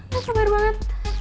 gak sabar banget